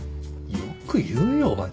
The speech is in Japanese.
よく言うよお前。